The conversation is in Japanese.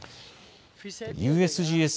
ＵＳＧＳ